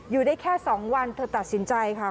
อยู่ได้แค่๒วันเธอตัดสินใจค่ะ